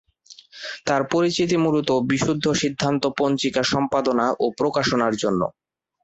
তার পরিচিতি মূলতঃ বিশুদ্ধ সিদ্ধান্ত পঞ্জিকা সম্পাদনা ও প্রকাশনার জন্য।